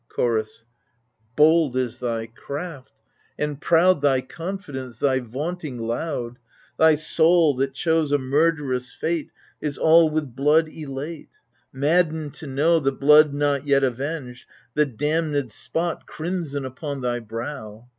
Chorus Bold is thy craft, and proud Thy confidence, thy vaunting loud ; Thy soul, that chose a murd'ress' fate, Is all with blood elate — Maddened to know The blood not yet avenged, the damnM spot Crimson upon thy brow.